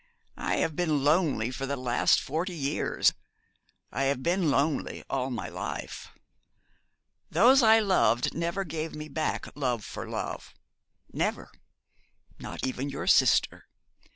'I have been lonely for the last forty years I have been lonely all my life. Those I loved never gave me back love for love never not even your sister.